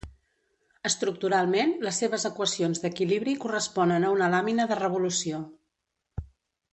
Estructuralment, les seves equacions d'equilibri corresponen a una làmina de revolució.